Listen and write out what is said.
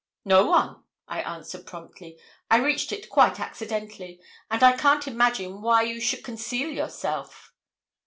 'No one, I answered promptly: 'I reached it quite accidentally, and I can't imagine why you should conceal yourself.'